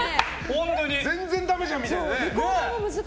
全然ダメじゃんみたいなね。